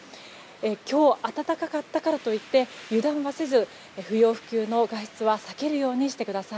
今日、暖かかったからといって油断はせず、不要不急の外出は避けるようにしてください。